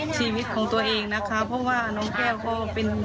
ชีวิตของตัวเองนะคะเพราะว่าน้องแก้วก็เป็น